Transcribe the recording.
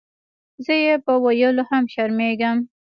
زۀ یې پۀ ویلو هم شرمېږم.